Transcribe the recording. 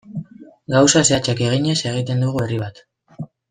Gauza zehatzak eginez egiten dugu herri bat.